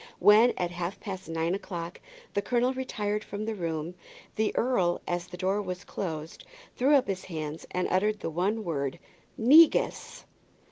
When, at half past nine o'clock, the colonel retired from the room, the earl, as the door was closed, threw up his hands, and uttered the one word "negus!"